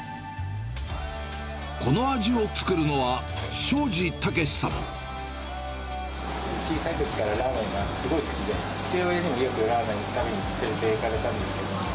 この味を作るのは、小さいときからラーメンがすごい好きで、父親にも、よくラーメン食べに連れていかれたんですけど。